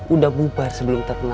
udah bubar sebelum terkenal